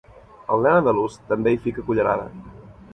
El nen andalús també hi fica cullerada.